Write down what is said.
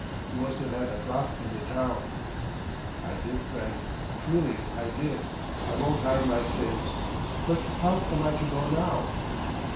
You must have had a drop in the town." "I did, friend ... Truly I did; I won't hide my sins. But how am I to go now?"